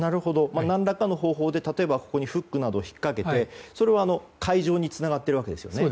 何らかの方法でここにフックなどをひっかけてそれは海上につながっているわけですよね。